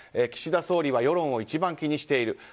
岸田総理は世論を一番、気にしている。